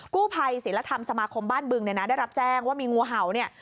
กู้ภัยศิลธรรมสมาคมบ้านบึงเนี่ยนะได้รับแจ้งว่ามีงูเห่าเนี่ย